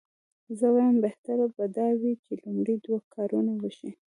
زه وایم بهتره به دا وي چې لومړني دوه کارونه وشي.